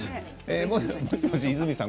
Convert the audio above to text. もしもし和泉さん